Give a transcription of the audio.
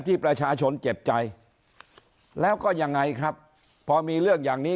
ที่ประชาชนเจ็บใจแล้วก็ยังไงครับพอมีเรื่องอย่างนี้